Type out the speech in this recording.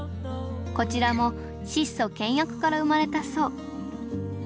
こちらも質素倹約から生まれたそう。